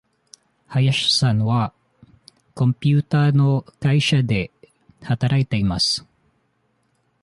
林さんはコンピューターの会社で働いています。